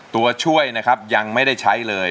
ตัวช่วยนะครับยังไม่ได้ใช้เลย